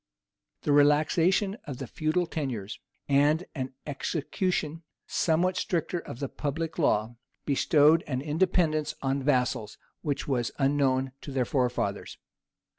The relaxation of the feudal tenures, and an execution somewhat stricter of the public law, bestowed an independence on vassals which was unknown to their forefathers.